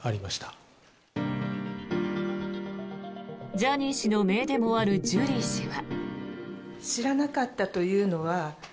ジャニー氏のめいでもあるジュリー氏は。